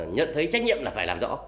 nhận thấy trách nhiệm là phải làm rõ